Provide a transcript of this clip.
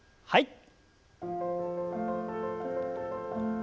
はい。